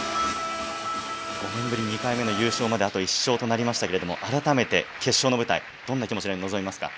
５年ぶり２回目の優勝まであと１勝となりましたが改めて、決勝の舞台どんな気持ちで臨みますか？